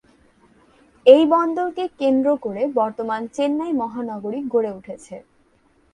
এই বন্দরকে কেন্দ্র করে বর্তমান চেন্নাই মহানগরী গড়ে উঠেছে।